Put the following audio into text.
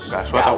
gaswat pak wan